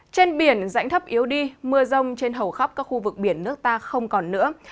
trên biển dãnh thấp yếu đi mưa rông trên hầu khắp các khu vực biển nước ta không còn nữa